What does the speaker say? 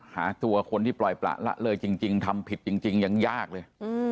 หาตัวคนที่ปล่อยประละเลยจริงทำผิดจริงยังยากเลย